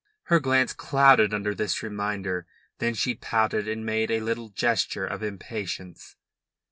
Her glance clouded under this reminder. Then she pouted and made a little gesture of impatience.